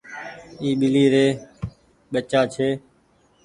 اي ٻلي رو ٻچآ ڇي۔